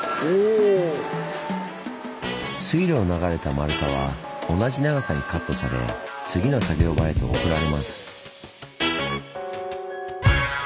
水路を流れた丸太は同じ長さにカットされ次の作業場へと送られます。